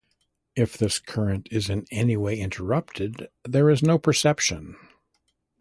If this current is in any way interrupted, there is no perception.